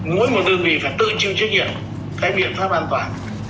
mỗi một đơn vị phải tự chịu trách nhiệm cái biện pháp an toàn